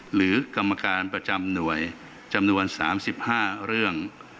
หรือกรรมการประจำนวยจำนวนสามสิบห้าเรื่อง